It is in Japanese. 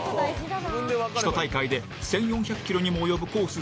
ひと大会で１４００ｋｍにも及ぶコース